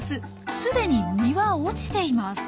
既に実は落ちています。